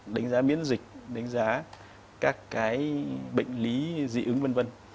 đánh giá miễn dịch đánh giá các cái bệnh lý dị ứng vân vân